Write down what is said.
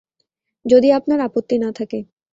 যদি আপনার আপত্তি না থাকে।